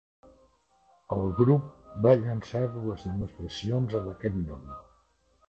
El grup va llançar dues demostracions amb aquest nom.